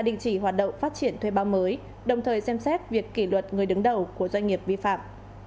đình chỉ hoạt động phát triển thuê bao mới đồng thời xem xét việc kỷ luật người đứng đầu của doanh nghiệp vi phạm